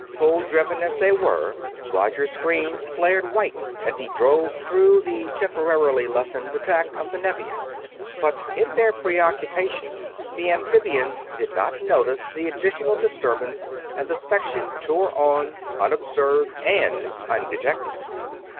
Full driven as they were, Roger's screens flared white as he drove through the temporarily lessened attack of the Nevians; but in their preoccupation the amphibians did not notice the additional disturbance and the section tore on, unobserved and undetected.